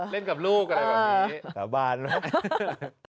เล่นกับลูกอะไรแบบนี้